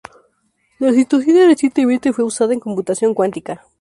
La citosina recientemente fue usada en computación cuántica.